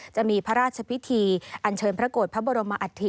จะมีพระราชพิธีอันเชิญพระโกรธพระบรมอัฐิ